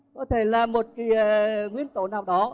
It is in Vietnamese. có thể là một cái nguyên tổ nào đó